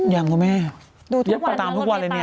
ยังก็ไม่ตามทุกวันเลยเนี่ย